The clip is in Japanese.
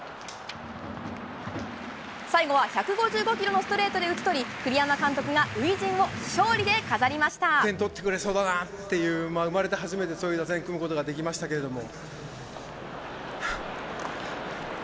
最後は１５５キロのストレートで打ち取り、栗山監督が初陣を勝利点取ってくれそうだなっていう、生まれて初めてそういう打線組むことができましたけれども。